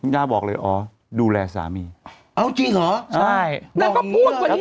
ย่าบอกเลยอ๋อดูแลสามีเอาจริงเหรอใช่นางก็พูดวันนี้